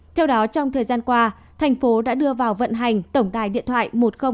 theo đó trong thời gian qua thành phố đã đưa vào vận hành tổng đài điện thoại một nghìn hai mươi hai